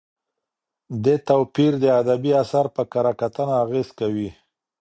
دې توپیر د ادبي اثر په کره کتنه اغېز کوي.